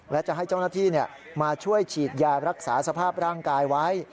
และจะให้เจ้าหน้าที่มาช่วยฉีดยารักษาสภาพร่างกายไว้